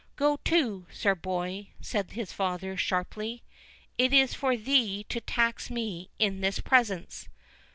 "Go to, sir boy," said his father, sharply; "is it for thee to tax me in this presence!